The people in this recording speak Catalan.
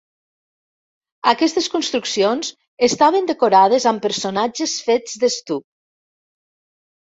Aquestes construccions estaven decorades amb personatges fets d'estuc.